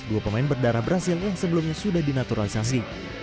dua pemain berdarah brazil yang sebelumnya sudah dinaturalisasi